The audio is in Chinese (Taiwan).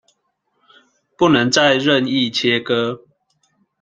不能再任意切割